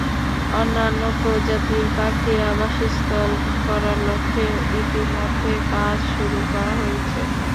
অন্যান্য প্রজাতির পাখির আবাসস্থল গড়ার লক্ষ্যে ইতিমধ্যে কাজ শুরু করা হয়েছে।